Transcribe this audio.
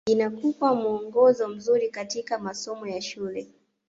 inakupa muongozo mzuri katika masomo ya shule